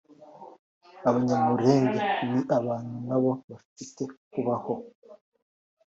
abanyamulenge ni abantu nabo bafite kubaho